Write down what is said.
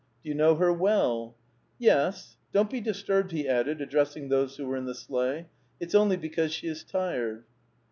Do you know her well ?"'* Yes* — Don^t be disturbed," he added, addressing those who were in the sleigh ;'* it's only because she is tired."